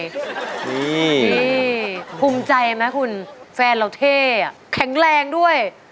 นี่ภูมิใจไหมคุณแฟนเราเท่แข็งแรงด้วย